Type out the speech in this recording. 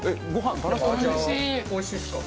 おいしいですか？